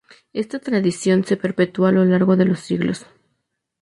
Esta tradición se perpetúa a lo largo de los siglos.